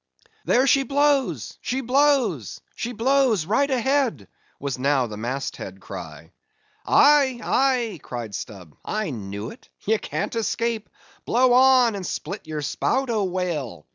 "There she blows—she blows!—she blows!—right ahead!" was now the mast head cry. "Aye, aye!" cried Stubb, "I knew it—ye can't escape—blow on and split your spout, O whale!